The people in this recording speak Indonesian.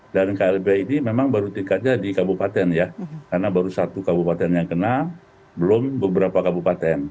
dan klb ini memang baru tingkatnya di kabupaten ya karena baru satu kabupaten yang kena belum beberapa kabupaten